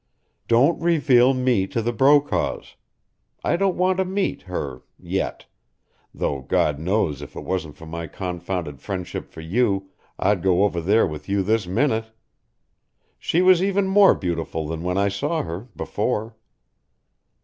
Don't reveal me to the Brokaws. I don't want to meet her yet, though God knows if it wasn't for my confounded friendship for you I'd go over there with you this minute. She was even more beautiful than when I saw her before."